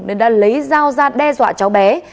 nên đã lấy dao ra đe dọa cháu bé